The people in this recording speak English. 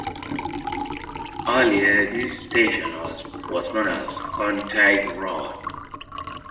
Earlier this station was known as Contai Road.